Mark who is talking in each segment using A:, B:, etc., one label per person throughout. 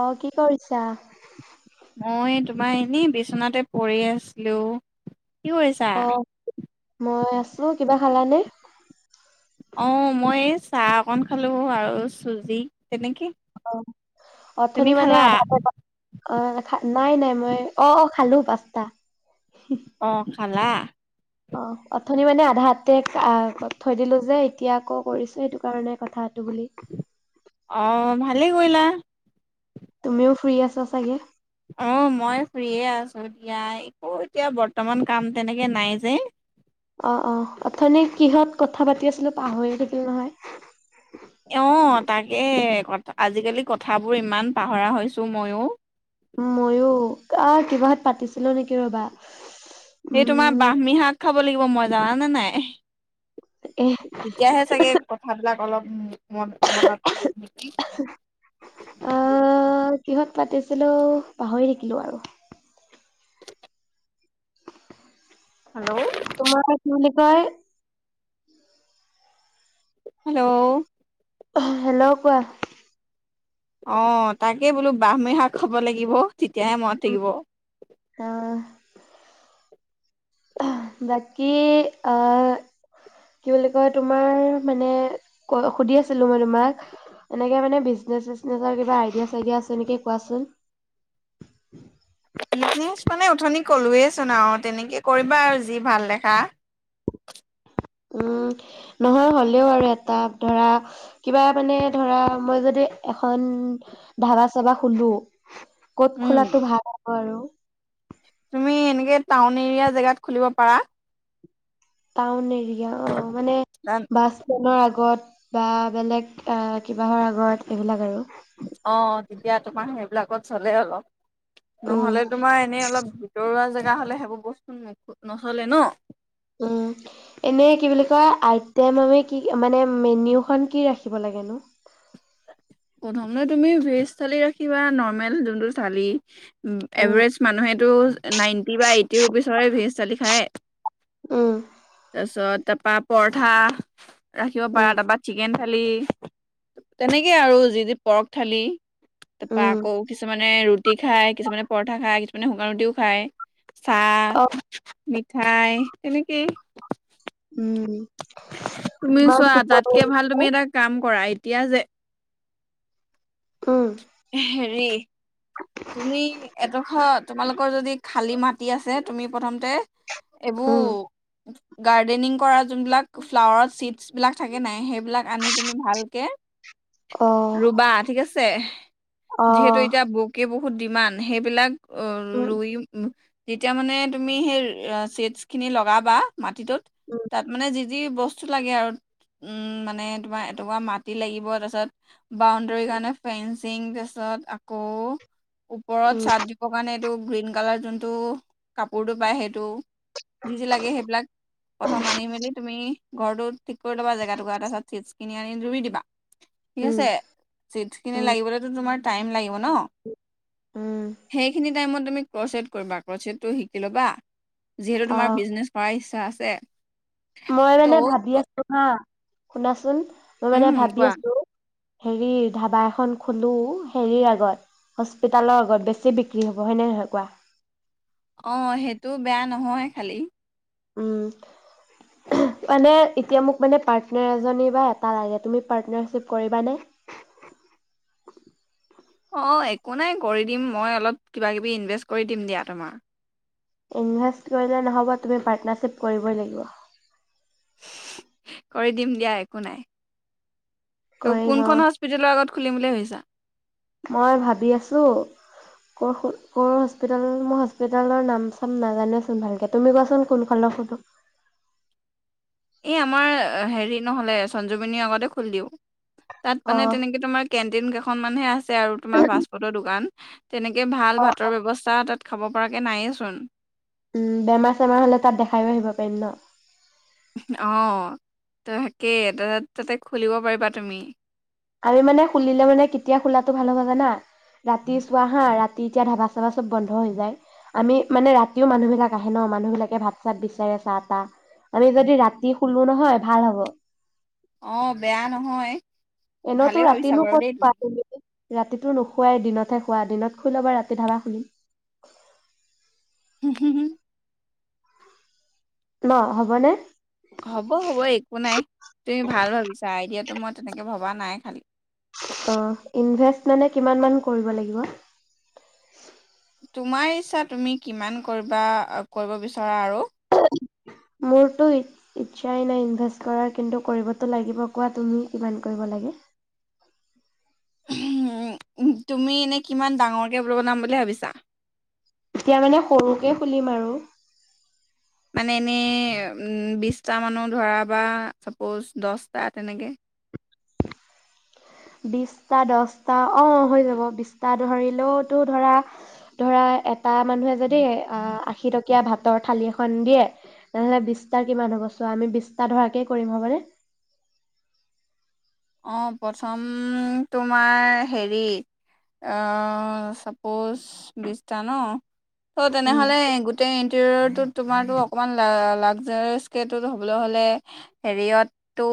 A: অঁ কি কৰিছ চা
B: মই তোমাৰ এনেই বিচনাতে পৰি আছিলো কি কৰিছা
A: অ মই আছো কিবা খালানে
B: অঁ মই চাহ অকন খালো আৰু চুজি তেনেকে
A: অঁ অথনি
B: তুমি
A: মানে
B: খালা?
A: আধা অঁ নাই নাই মই অঁ অঁ খালো পাচতা
B: অঁ খালা
A: অঁ অথনি মানে আধা হাতে থৈ দিলো যে এতিয়া আকৌ কৰিছো সেইটো কাৰণে কথা বুলি
B: অঁ ভাত ভালে কৰিলা
A: তুমিও ফ্ৰী আছা চাগে
B: আহ মই ফুৰিয়ে আছো দিয়া একো এতিয়া বৰ্তমান কাম তেনেকে নাই যে
A: অঁ অঁ অথনি কিহত কথা পাতি আছিলো পাহৰি থাকিলো নহয়
B: অঁ তাকে ক আজিকালি কথাবোৰ ইমান পাহৰা হৈছো ময়ো
A: ময়ো কিবাহত পাতিছিলোঁ নেকি ৰ'বা
B: এই তোমাৰ
A: উম
B: বাহমী শাক খাব লাগিব মই জানানে নাই
A: এ
B: এ তেতিয়াহে চাগে কথাবিলাক অলপ মন মনত
A: সহঁত পাতিছিলো পাহৰি থাকিলোঁ আৰু
B: হেল্ল'
A: তোমাৰ কি বুলি কয়
B: হেল্ল'
A: হেল্ল' কোৱা
B: অ তাকেই বোলো বাঁহমী শাক খাব লাগিব তেতিয়াহে মনত থাকিব
A: অঁ বাকি অঁ কি বুলি কয় টোমাৰ মানে
B: উ মানে উথনি কলোৱেচোন আৰু তেনেকে কৰিবা আৰু যি ভাল দেখা
A: উম নহয় হলেও আৰু এটা ধৰা কিবা মানে ধৰা মই যদি এখন ধাবা চাবা খুলো ক'ত খোলটো ভাল আৰু
B: তুমি এনেকে টাউন এৰিয়া জেগাত খুলিব পাৰা
A: টাউন এৰিয়া অ মানে বাছ ষ্টেণ্ডৰ আগ আগত বা বেলেগ কিবাহৰ আগত এইবিলাক আৰু।
B: অ, তেতিয়া তোমাৰ সেইবিলাকত চলে অলপ।
A: উম
B: নহলে তোমাৰ এনেই অলপ ভিতৰুৱা জাগা। হ'লে সেইবোৰ বস্তুখ নচলে ন।
A: এনে কি বুলি কয় আইটেম আমি কি মানে মেনউখন কি ৰাখিব লাগেনো।
B: প্ৰথম তুমি ভেজ থালি ৰাখিবা নৰ্মেল যোনটো থালি।
A: উম,
B: এভাৰেজ মানুহেতটো নাইনটি বা এইট। তি ৰুবিচৰে ভজ দালি খাই।
A: উম,
B: তাৰপিছত। তাৰপা পৰঠা। ৰাখিব পাৰা
A: উম,
B: এ ত বা চিকেন। থালি। তেনেকে আৰু যি যি পৰগ থালি। তাপা
A: উম,
B: আকৌ কিছুমান। মানে ৰুটি খায় কিছুমানে পৰঠা খায়, কিছুমানে শুকান ৰুটিও খায়।
A: অ',
B: চাহ। খাই তেনেকেই।
A: উম।
B: তুমি
A: ইমান
B: চোৱা
A: টোপনি
B: তাতকে
A: লাগিছে।
B: ভাল তুমি এটা কাম কৰা এই। এতিয়া যে।
A: উম,
B: হেৰি তুমি এটোখ তোমালোকৰ যদি। খালী মাটি আছে, তুমি প্ৰথমতে
A: উম,
B: এইবোৰ গাৰ্ডেনিং কৰা যোনবিলাক ফ্লাৱাৰত চিডছ বিলাক থাকে নাই সেইবিলাক আনি তুমি ভালকে।
A: অ',
B: ৰুবা ঠিক আছে। যিহেতু
A: অ',
B: এতিয়া বকে। বহুত ডিমাণ্ড, সেইবিলাক।
A: উম,
B: [unintelligible] তেতিয়া মানে, তুমি সেই চিটছখিনি লগাবা। মাটিটোত,
A: উম,
B: তাত মানে যি যি বস্তু লাগে আৰু উম! মানে, তোমাৰ এটকুৱা মাটি লাগিব। তাৰপাছত বাউণ্ডৰীৰ কাৰণে ফেন্স তাৰ পাছত আকৌ ওপৰত
A: উম,
B: চাদ্ দিবৰ কাৰণে, এইটো গ্ৰীণ কালাৰ যোনটো, কাপোৰটো পায়, সেইটো যি যি লাগে, সেইবিলাক প্ৰথম আনি মেলি তুমি ঘৰটোত ঠিক কৰি ল'বা জেগা এটুকুৰা তাৰ পাছত চেঞ্জ কিনি আনি ৰুই দিবা। ঠিক
A: উম,
B: আছে, চিটছ খিনি
A: উম,
B: লাগিবলৈ তোমাৰ টাইম লাগি হ'ব ন।
A: উম,
B: সেইখিনিত টাইমত তুমি ক্ৰছেট কৰিবা, ক্ৰছেটটো শিকি ল'বা। যিহেতু, তোমাৰ
A: অ',
B: বিজনেছ কৰাই [unintelligible] আছে!
A: মই মানে, ভাবি
B: ত'
A: আছো হা! শুনাচোন? মই মানে,
B: উম
A: ভাবি
B: কোৱা
A: আছো। হেৰি ধাবা এখন খুলো, হেৰিৰ আগত, হস্পিতালৰ আগত। বেছি বিক্ৰী হ'ব, হয়নে নহয় কোৱা?
B: অ' সেইটো বেয়া নহয়, খালি।
A: উম! মানে, এতিয়া মোক পাৰ্টনাৰ এজনী বা এটা লাগে, তুমি পাৰ্টনাৰশ্বিপ কৰিবানে?
B: অ'একো নাই, কৰি দিম। মই অলপ, কিবা কিবি ইনভেষ্ট কৰি দিম, দিয়া তোমাৰ।
A: ইনভেষ্ট কৰিলে নহ'ব, তুমি পাৰ্টনাৰশ্বিপ কৰিবই লাগিব।
B: কৰি দিম দিয়া, একো নাই। ত'
A: কৰিম অ,
B: কোনখন হস্পিতেলৰ আগত খুলিম বুলি ভাবিছা।
A: মই ভাবি আছো, ক'ৰ হস্পিতাল মই হস্পিতালৰ নাম চাম নাজানোচোন, ভালকে তুমি, কোৱাচোন কোনফালৰ ফটো।
B: এই আমাৰ হেৰি, নহ'লে সঞ্জিৱনীৰ আগতে খুলি দিও। তাত
A: অ,
B: মানে, তেনেকে তোমাৰ কে দিম কেইখনমানহে আছে। আছে আৰু তোমাৰ ফাষ্টফুডৰ দোকান। তেনেকে ভাল ভাতৰ ব্যৱস্থা, তাত খাব পৰাকে নায়েইচোন!
A: বেমাৰ চেমাৰ হ'লে, তাত, দেখায়ো আহিব পাৰিম ন!
B: অ' তাকেই তা, তাতে খুলিব পাৰিবা তুমি।
A: আমি মানে, খুলিলে মানে কেতিয়া, খোলাটো ভাল হ'ব জানা! ৰাতি চুৱা হা ৰাত ৰাতি এতিয়া ধাবা চাবা চব বন্ধ হৈ যায়, আমি মানে ৰাতিও মানুহবিলাক আহে ন মানুহবিলাকে ভাত চাত বিচাৰে চাহ তাহ আমি যদি ৰাতি শুলো নহয় ভাল হ'ব।
B: অ ', বেয়া নহয়। ভালে
A: এনেতো
B: ভাবিছা
A: ৰাতিনো
B: বাৰু দেই
A: ক'ত পা
B: তুমি।
A: ৰাতিটো নোখুৱাই দিনতহে খোৱা দিনত খুই ল'বা ৰাতি ধাবা শুলিম।
B: হুম -হুম
A: ন হ'বনে।
B: হ'ব - হব একো নাই তুমি ভাল ভাবিছা আই ডিয়া টো মই তেনেকে ভবা নাই খালী।
A: অ', ইনভেষ্ট মানে কিমান মান কৰিব লাগিব।
B: তোমাৰ ইচ্ছা তুমি কিমান কৰিবা কৰিব বিচৰা আৰু।
A: মোৰতো ইচ্ছাই নাই ইনভেষ্ট কৰাৰ কিন্তু কৰিবতো লাগিব কোৱা তুমি কিমান কৰিব লাগে।
B: উম ', তুমি এনে কিমান ডাঙৰকে ৰুম বনাম বুলি ভাবিছা।
A: এতিয়া মানে সৰুকে খুলিম আৰু।
B: মানে এনেই বিশটা মানহ ধৰা বা চাপ'জ দহটা তেনেকে।
A: বিশটা দছটা অহ ', হৈ যাব বিছটা ধৰিলেওতো ধৰা - ধৰা এটা এটা মানুহে যদি অহ ', আশী টকা তিয়া ভাতৰ থালি এখন দিয়ে ননেহ'লে বিছটাৰ কিমান হ'ব চোৱা আমি বিছটা ধৰাকে কৰিম হ'বনে।
B: অহ ', প্ৰথম তোমাৰ হেৰিত অহ ', চাপোজ বিশটা ন। ত',
A: উম,
B: তেনেহলে গোটে গোটেই ইণ্টেৰিয়ৰটোত তোমাৰো অকণমান লা - লাগজাৰ স্কেত হ'বলৈ হ'লে হেৰিয়তটো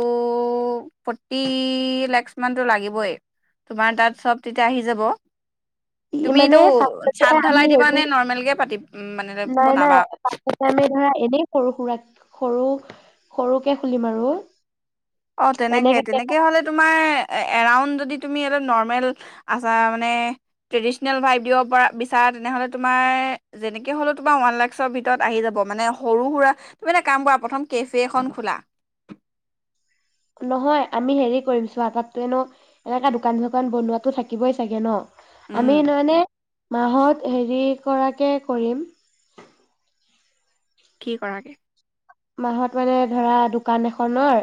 B: প ফৰটি লাখ মানতো লাগিবই তোমাৰ তাত চব তেতিয়া আহি যাব।
A: ই মানে
B: তুমিটো
A: ফাৰ্ষ্টতে
B: ছাদ
A: আমি
B: ঢালাই দিবা
A: হেৰি
B: নে নৰ্মেলকে পাতি মানে
A: নাই নাই
B: বনাবা।
A: ফাৰ্ষ্টতে আমি ধৰা এনেই সৰু সুৰাক সৰু- সৰুকে খুলিম আৰু
B: অহ ', তেনেকে
A: এনেকে
B: - তেনেকে হলে তোমাৰ এৰাউণ্ড যদি তুমি আৰু নৰ্মেল আছা মানে ট্ৰেডিচনেল ভাইব দিব বিচৰা তেনেহলে তুমি তোমাৰ যেনেকে হলে তোমাৰ ৱান লাখচৰ ভিতৰত আহি যাব মানে সৰু সুৰা কিবা এটা কাম কৰা কেফে এখন খোলা।
A: নহয় আমি হেৰি কৰিম চোৱা তাততো এণ এনেকা দোকান চোকান বনোৱা থাকিবই চাগে ন।
B: উম
A: আমি ধহানে মাহত হেৰি কৰাকে কৰিম
B: কি কৰাকে?
A: মাহত মানে ধৰা দোকান এখনৰ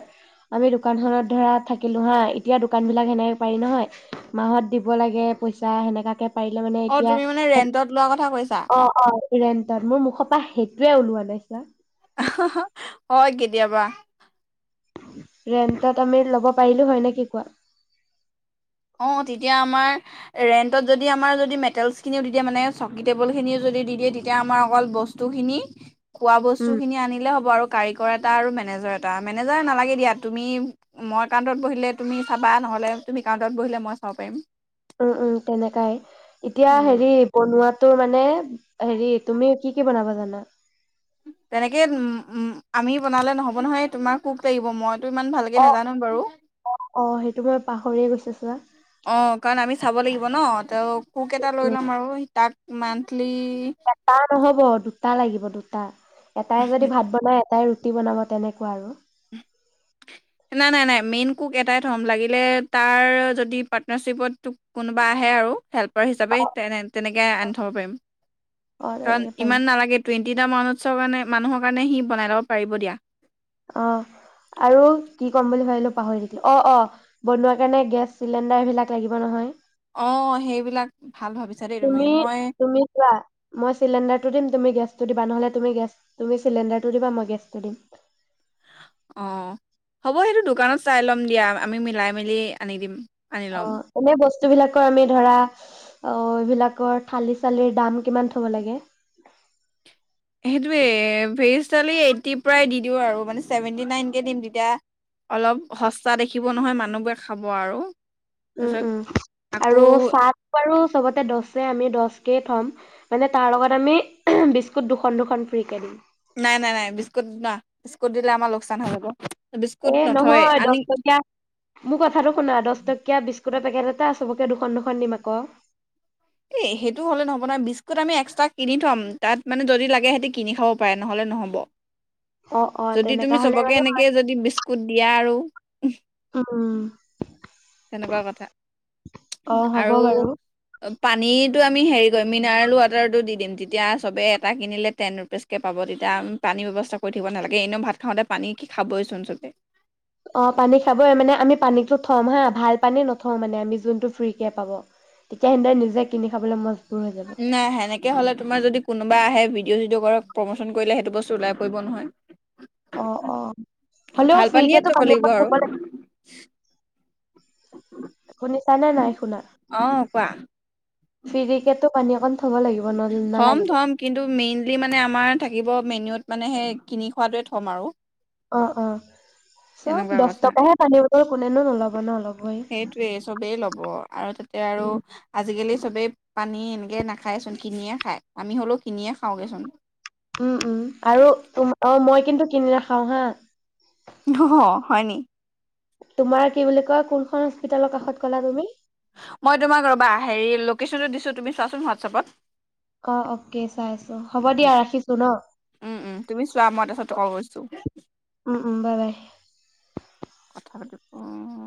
A: আমি দোকানখনত ধৰা থাকিলো হা', এতিয়া দোকান বিলাক সেনেক পাৰি নহয় মাহত দিব লাগে পইচা সেনেকাকে।
B: অহ ', তুমি মানে ৰেণ্টত লোৱা কথা কৈছা?
A: অহ ', - অহ ', ৰেন্টত মোৰ মুখৰ পৰা সেইটোয়ে ওলোৱা নাইছা।
B: আহ ', হা- হা হয় কেতিয়াবা।
A: ৰেন্টত আমি ল'ব পাৰিলো হয় নে কি কোৱা?
B: অহ ', তেতিয়া আমাৰ ৰেন্টত যদি আমাৰ যদি মেটেলচ খিনিও দি দিয়ে মানে চকী টেবল খিনিও যদি দি দিয়ে তেতিয়া আমাৰ অকল বস্তু খিনি খোৱা বস্তু
A: উম
B: খিনি আনিলে হ'ব আৰু কাৰিকৰ এটা আৰু মেনেজাৰ এটা মেনেজাৰ নালাগে দিয়া তুমি মই একাউণ্টত বহিলে তুমি চাবা নহলে তুমি এউ তত বহিলে মই চাব পাৰিম।
A: উম্ উম্ তেনেকাই এতিয়া
B: উম
A: হেৰি, বনোৱাতে মানে হেৰি তুমি কি। কি বনাব জানা।
B: তেনেকে উম্ উম্ আমি বনালে নহব নহয়, তোমাৰ কোক লাগিব মই।
A: অঁ অ সেইটো মই পাহৰি গৈছে চোৱা।
B: অ কাৰণ আমি চাব লাগিব ন তেওঁক। কুক এটা লৈ ল'ম আৰু তাৰপিছত। মন্থলী।
A: এটাই নহব, দুটা লাগিব দুটা। অঁ। এটাই যদি ভাত বনাই। অঁ ৰুটি বনাব তেনেকুৱা আৰু।
B: নাই নাই নাই তাৰ যদি পাটনাৰশিপত, কোনোবা আহে আৰু হেল্প। পাৰ হিচাপে তেনে তেনেকৈ আনি থব পাৰিম।
A: অ
B: কাৰণ
A: তেনেকে পাৰিম
B: ইমান নালাগে টুৱেন্টি পাৰ্চেন্ট তিনিটা মান উৎসৱ কাৰণে, মানুহৰ কাৰণে সি বনাই ল'ব পাৰিব দিয়া।
A: অ আৰু কি ক'ম বুলি ভাবিলো পাহৰি থাকিলো। অ অ বনোৱাৰ কাৰণে গেছ চিলিণ্ডাৰ বিলাক লাগিব নহয়।
B: অ সেইবিলাক ভাল ভাবিছো।
A: তুমি, তুমি কোৱা, মই চিলিণ্ডাৰটো দিম। তুমি গেছটো দিবা নহলে, তুমি গেছ তুমি চিলিণ্ডাৰটো দিবা মই গেছটো দিম।
B: অঁ হ'ব সেইটো দোকানত চাই ল'ম দিয়া। আমি মিলাই মেলি আনি দিম। আনি
A: অ
B: ল'ম
A: এনে বস্তু। বস্তুবিলাকৰ আমি ধৰা। অ এইবিলাকৰ থালি চালিৰ দাম কিমান থ'ব লাগে।
B: চলিয়ে এইটি পৰাই দি দিওঁ আৰু মানে সেভেটি নাইন কে দিম। তেতিয়া অলপ সস্তা দেখিব নহয় মানুহবোৰে খাব আৰু।
A: উম
B: তাৰপিছত
A: উম আৰু
B: আকৌ
A: চাহ বাৰু চবতে দস হে আমি দশ। তাকেই থ'ম মানে তাৰ লগত, আমি বিস্কুট দুখন দুখন ফ্ৰী কে দিম।
B: নাই নাই নাই বিস্কুট না, বিস্কুট দিলে আমাৰ লোকচান হৈ যাব। বিস্কুট
A: এ
B: নথয়
A: নহয়
B: আনি
A: দস টকীয়া মোৰ কথাটো শুনা দস টকীয়া বিস্কুট। বিস্কুটৰ পেকেট এটা আছে চবকে দুখন দুখন দিম আকৌ।
B: এই সেইটো হ'লে নহব নহয়। বিস্কুট আমি এক্সট্ৰা কিনি থম। তাত মানে যদি লাগে সিহঁতি কিনি খাব পাৰে নহলে নহ'ব।
A: অ', অ',
B: যদি
A: তেনেকা
B: তুমি
A: হ'লে
B: চবকে
A: বাৰু
B: এনেকে যদি বিস্কুট দিয়া আৰু।
A: উম
B: তেনেকুৱা কথা
A: অঁ হব
B: আৰু
A: বাৰু।
B: পানীটো আমি হেৰি কৰিম মিনাৰেল ৱাটাৰটো দি দিম। তেতিয়া চবে এটা কিনিলে টেন ৰুপিচকৈ পাব। তেতিয়া আমি পানীৰ ব্যৱস্থা কৰি থাকিব নালাগে। এনেও ভাত খাওঁতে পানী কি খাবইচোন চবে।
A: অ পানী খাবই মানে আমি পানীতো থম, হা ভাল পানী নথওঁ। মানে আমি যোনটো ফ্ৰী কে পাব তেতিয়া সিহঁতে নিজে কিনি খাবলৈ মজবোৰিত।
B: নাই সেনেকে হলে, তোমাৰ যদি কোনোবা আহে। ভিডিঅ' চিডিঅ' কৰক। প্ৰমোচন কৰিলে সেইটো বস্তু ওলাই পৰিব নহয়।
A: অ অ। হ'লেও
B: ভাল
A: ফ্ৰীকে
B: পানীয়ে
A: ত
B: থ'ব
A: পানী
B: লাগিব
A: তাত
B: আৰু
A: থবই থব লাগিব। শুনিছানে নাই শুনা
B: অ', কোৱা
A: ফ্ৰীকেতো পানী অকণ থ'ব লাগিব
B: থ'ম
A: ন-নালাগিব
B: থম কিন্তু মেইনলি মানে আমাৰ থাকিব মেনুত মানে সেই কিনি খোৱাটোৱে থ'ম আৰু
A: অ', অ'। চব
B: তেনেকুৱা
A: দহ
B: কথা
A: টকাহে পানী বটল কোনেনো নল'ব ন ল'বই।
B: সেইটোৱেই চবেই লব আৰু তাতে আৰু আজিকালি চবেই পানী গে না খাইচোন কিনিয়ে খায় আমি হ'লেও কিনিয়ে খাওঁগেচোন
A: উম উম আৰু তোম অ মই কিন্তু কিনিলে খাওঁ হা
B: অ হয়নি?
A: তোমাৰ কি বুলি কয় কুলখন আ
B: মই তোমাক ৰবা হেৰি। দিছো তুমি চোন হোৱাটছএপত।
A: অ, অকে চাই আছো হ'ব দিয়া ৰাখিছো ন।
B: কৈছো।
A: উম উম, বাই বাই।
B: অঁ।